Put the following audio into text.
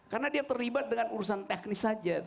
karena dia terlibat dengan urusan teknis saja